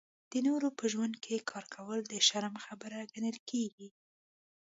د نورو په ژوند کې کار کول د شرم خبره ګڼل نه کېږي.